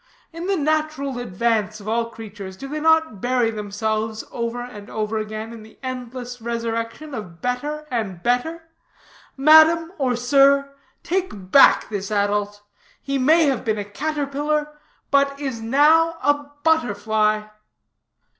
In the natural advance of all creatures, do they not bury themselves over and over again in the endless resurrection of better and better? Madam, or sir, take back this adult; he may have been a caterpillar, but is now a butterfly."